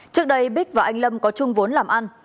trước đây bích và anh lâm có chung vốn làm ăn